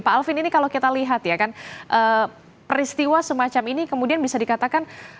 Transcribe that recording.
pak alvin ini kalau kita lihat ya kan peristiwa semacam ini kemudian bisa dikatakan